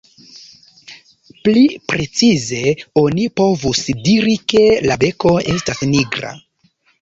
Pli precize oni povus diri, ke la beko estas nigra.